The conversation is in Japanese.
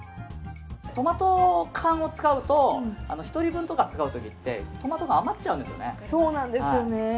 トマト缶を使うと１人分とか作る時ってトマトが余っちゃうんですよね。